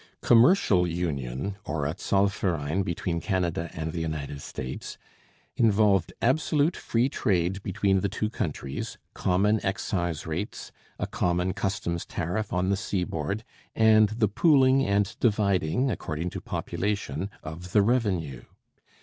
Commercial union, or a zollverein between Canada and the United States, involved absolute free trade between the two countries, common excise rates, a common customs tariff on the seaboard, and the pooling and dividing according to population of the revenue.